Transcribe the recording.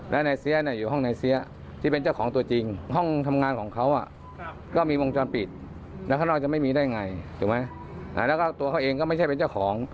แล้วก็ตัวเขาเองก็ไม่ใช่เป็นเจ้าของ